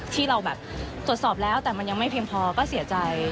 ที่เราแบบตรวจสอบแล้วแต่มันยังไม่เพียงพอก็เสียใจ